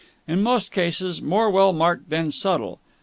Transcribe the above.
In most cases, more well marked than subtle.